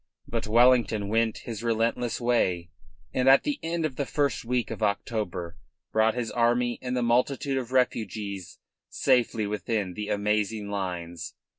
But Wellington went his relentless way, and at the end of the first week of October brought his army and the multitude of refugees safely within the amazing lines.